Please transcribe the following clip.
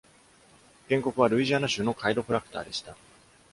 原告はルイジアナ州のカイロプラクターでした。